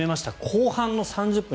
後半の３０分